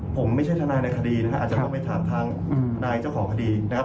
ผมไม่ใช่ทนายในคดีนะครับอาจจะต้องไปถามทางนายเจ้าของคดีนะครับ